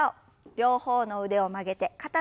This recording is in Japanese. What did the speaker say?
両方の腕を曲げて肩の横に。